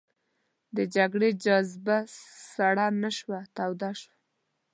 د جګړې جذبه سړه نه شوه توده شوه.